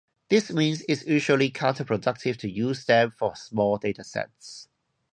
This means it's usually counter-productive to use them for small datasets.